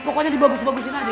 pokoknya dibagus bagusin aja